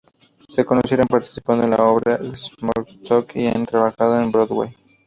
Se conocieron participando en la obra "Summer Stock" y han trabajado en Broadway.